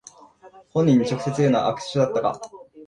本人に直接言うのは悪手だったか